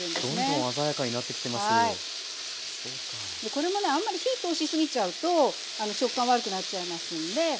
これもねあんまり火通しすぎちゃうと食感悪くなっちゃいますんで。